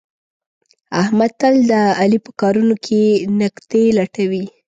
احمد تل د علي په کارونو کې نکتې لټوي.